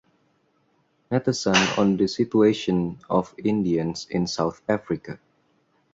Natesan on the situation of Indians in South Africa.